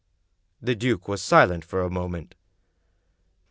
The duke was silent for a moment.